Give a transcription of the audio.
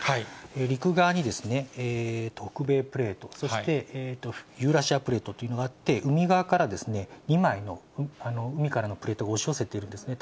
陸側に北米プレート、そしてユーラシアプレートというのがあって、海側から２枚の海からのプレートが押し寄せているんですね。